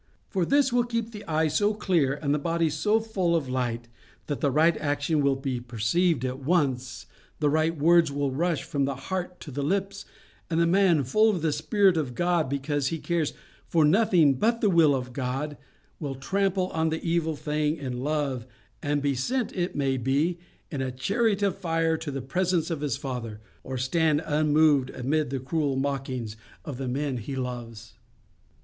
For this will keep the eye so clear and the body so full of light that the right action will be perceived at once, the right words will rush from the heart to the lips, and the man, full of the Spirit of God because he cares for nothing but the will of God, will trample on the evil thing in love, and be sent, it may be, in a chariot of fire to the presence of his Father, or stand unmoved amid the cruel mockings of the men he loves.